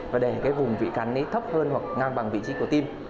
và để vùng bị cắn thấp hơn hoặc ngang bằng vị trí của tim